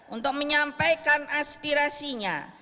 untuk menyampaikan aspirasinya